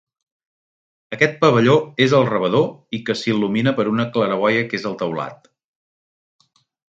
Aquest pavelló és el rebedor i que s'il·lumina per una claraboia que és el teulat.